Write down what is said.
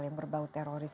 yang berbau teroris